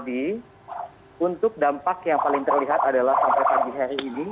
jadi untuk dampak yang paling terlihat adalah sampai pagi hari ini